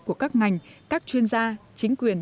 của các ngành các chuyên gia chính quyền